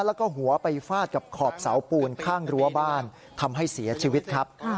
แล้วก็หัวไปฟาดกับขอบเสาปูนข้างรั้วบ้านทำให้เสียชีวิตครับ